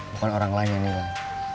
bukan orang lain nih bang